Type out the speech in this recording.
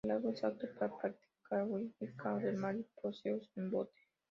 El lago es apto para practicar windsurf, kayak de mar y paseos en bote.